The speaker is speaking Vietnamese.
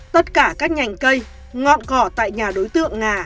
tất cả các nhành cây ngọn cỏ tại nhà đối tượng ngà